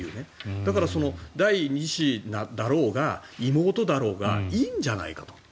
だから、第２子だろうが妹だろうがいいんじゃないかと。